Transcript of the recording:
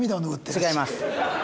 違います。